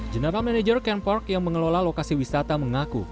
jenama manajer kenpark yang mengelola lokasi wisata mengaku